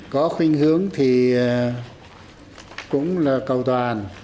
có khuyênh hướng thì cũng là cầu toàn